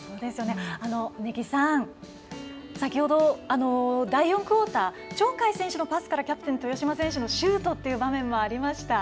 根木さん、先ほど第４クオーター鳥海選手のパスからキャプテンの豊島選手のシュートっていう場面もありました。